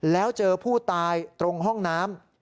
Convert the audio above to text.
แล้วเจอผู้ตายตรงห้องน้ำ